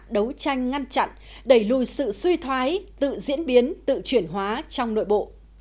đấu tranh ngăn chặn đẩy lùi sự suy thoái tự diễn biến tự chuyển hóa trong nội bộ